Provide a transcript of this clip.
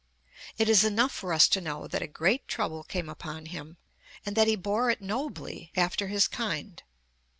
It is enough for us to know that a great trouble came upon him, and that he bore it nobly after his kind.